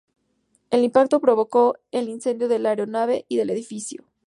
El impacto provocó el incendio de la aeronave y del edificio.